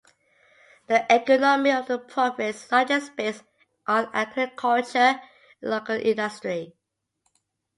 The economy of the province is largest based on agriculture and local industry.